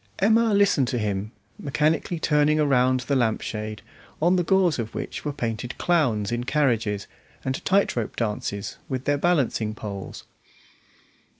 Emma listened to him, mechanically turning around the lampshade, on the gauze of which were painted clowns in carriages, and tight rope dances with their balancing poles.